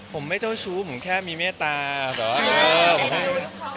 ผมไม่เจ้าชู้ผมแค่มีเมตตาเหรอ